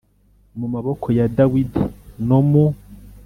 mu maboko ya Dawidi no mu